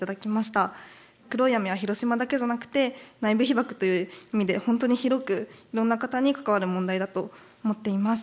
黒い雨は広島だけじゃなくて内部被曝という意味で本当に広くいろんな方に関わる問題だと思っています。